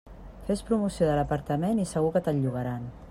Fes promoció de l'apartament i segur que te'l llogaran.